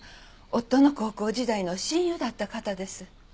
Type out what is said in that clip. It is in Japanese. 夫の高校時代の親友だった方です。